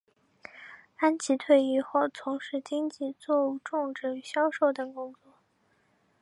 安琦退役后从事经济作物种植与销售等工作。